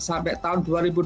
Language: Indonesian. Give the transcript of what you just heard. sampai tahun dua ribu dua puluh